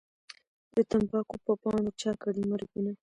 د تمباکو په پاڼو چا کړي مرګونه